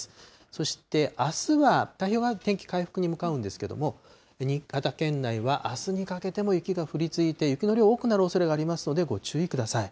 そしてあすは太平洋側の天気回復に向かうんですけれども、新潟県内は、あすにかけても雪が降り続いて、雪の量、多くなるおそれがありますので、ご注意ください。